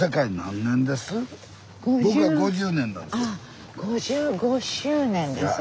僕が５０年なんですよ。